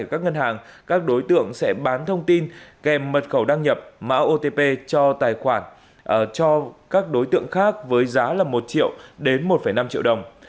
ở các ngân hàng các đối tượng sẽ bán thông tin kèm mật khẩu đăng nhập mã otp cho các đối tượng khác với giá một triệu đến một năm triệu đồng